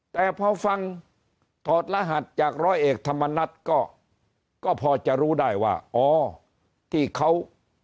แต่พอฟังถอดรหัสจากร้อยเอกธรรมนัฐก็พอจะรู้ได้ว่าอ๋อที่เขา